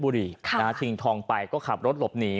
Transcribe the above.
ลบบุรีนะฮะถิ่งทองไปก็ขับรถหลบหนี